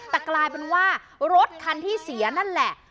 แต่กลายเป็นว่ารถคันที่เสียนั่นแหละ